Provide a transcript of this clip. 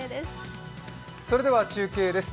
それでは中継です。